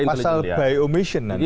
itu masalah by omission